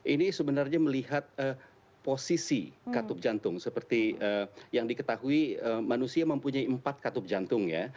ini sebenarnya melihat posisi katup jantung seperti yang diketahui manusia mempunyai empat katup jantung ya